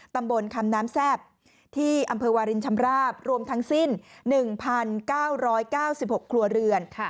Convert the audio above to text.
ตำบลคำน้ำแซ่บที่อำเภอวารินชำราบรวมทั้งสิ้น๑๙๙๖ครัวเรือน